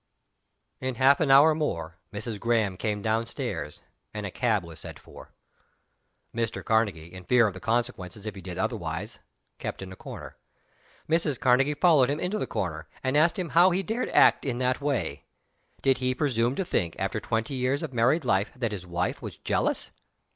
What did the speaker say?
In half an hour more, "Mrs. Graham" came down stairs; and a cab was sent for. Mr. Karnegie, in fear of the consequences if he did otherwise, kept in a corner. Mrs. Karnegie followed him into the corner, and asked him how he dared act in that way? Did he presume to think, after twenty years of married life, that his wife was jealous?